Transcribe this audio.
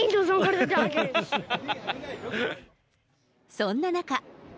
そんな中。